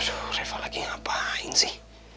sama reva lagi ngapain sih